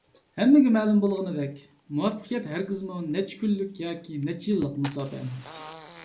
ھەممىگە مەلۇم بولغىنىدەك، مۇۋەپپەقىيەت ھەرگىزمۇ نەچچە كۈنلۈك ياكى نەچچە يىللىق مۇساپە ئەمەس.